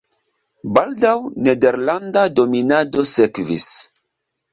Baldaŭ nederlanda dominado sekvis.